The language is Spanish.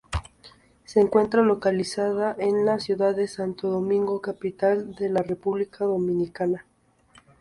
Se encuentra localizada en la ciudad de Santo Domingo, capital de la República Dominicana.